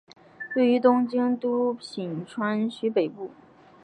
位于东京都品川区北部。